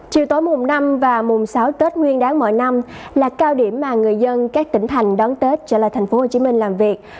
chiều tối mùng năm và mùng sáu tết nguyên đáng mọi năm là cao điểm mà người dân các tỉnh thành đón tết trở lại tp hcm làm việc